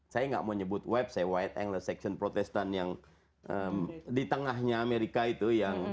saya nggak mau nyebut website white anglo saxon protestan yang di tengahnya amerika itu